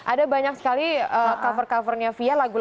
ada banyak sekali cover covernya fia lagu lagu